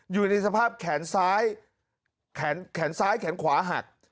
อยู่ในสภาพแขนซ้ายแขนขวาหัด